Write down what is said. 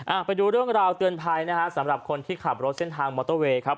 ไปดูเรื่องราวเตือนภัยนะฮะสำหรับคนที่ขับรถเส้นทางมอเตอร์เวย์ครับ